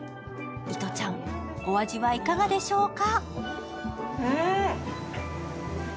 いとちゃん、お味はいかがでしょうか。